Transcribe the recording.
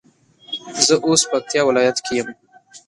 زه اوس پکتيا ولايت کي يم